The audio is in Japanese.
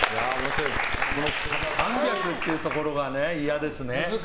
３００っていうところが嫌ですね。